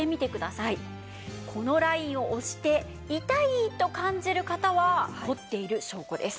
このラインを押して痛いと感じる方は凝っている証拠です。